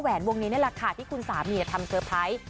วงนี้นี่แหละค่ะที่คุณสามีทำเตอร์ไพรส์